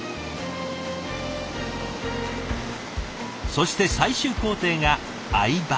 そして最終工程が合刃。